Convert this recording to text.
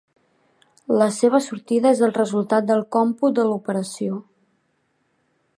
La seva sortida és el resultat del còmput de l'operació.